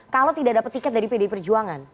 kalau tidak dapat tiket dari pdi perjuangan